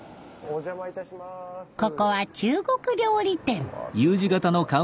ここは中国料理店。